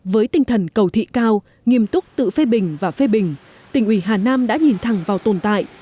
với tinh thần cầu thị cao nghiêm túc tự phê bình và phê bình tỉnh ủy hà nam đã nhìn thẳng vào tồn tại